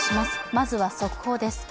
まずは速報です。